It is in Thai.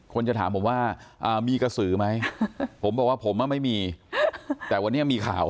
จะถามผมว่ามีกระสือไหมผมบอกว่าผมไม่มีแต่วันนี้มีข่าว